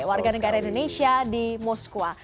warga negara indonesia di moskwa